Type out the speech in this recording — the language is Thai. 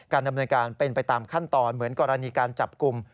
ดำเนินการเป็นไปตามขั้นตอนเหมือนกรณีการจับกลุ่ม